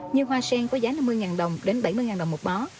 như hoa sen có giá năm mươi đồng đến bảy mươi đồng một bó